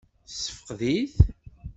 Tessefqed-it?